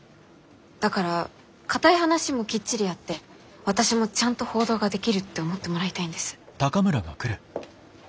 だから硬い話もきっちりやって私もちゃんと報道ができるって思ってもらいたいんです。